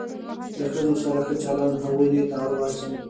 له ښځو سره ښه چلند هغوی دې ته اړ باسي.